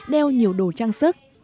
đeo nhiều đồ trang sức